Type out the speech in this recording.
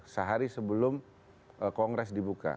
sehari sebelum kongres dibuka